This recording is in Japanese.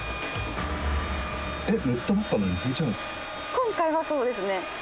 今回はそうですね。